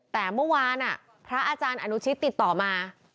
แต่เมื่อวานพระอาจารย์อนุชิตติดต่อมา